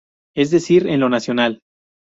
Es decir, en lo nacional.